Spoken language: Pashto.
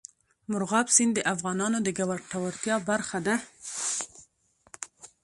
مورغاب سیند د افغانانو د ګټورتیا یوه برخه ده.